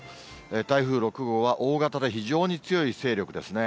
台風６号は大型で非常に強い勢力ですね。